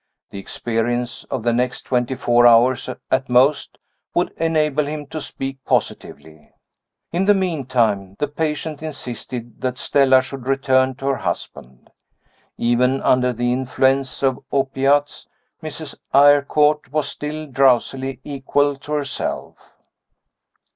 The experience of the next twenty four hours, at most, would enable him to speak positively. In the meantime, the patient insisted that Stella should return to her husband. Even under the influence of opiates, Mrs. Eyrecourt was still drowsily equal to herself.